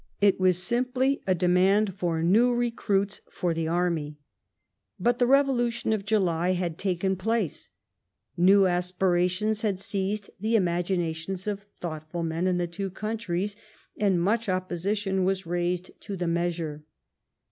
It was simply a demand for new recruits for the army. But the revolution of July had taken place : new aspirations had seized the imaginations of thoughtful men in the two countries, and much opposi tion was raised to the measure.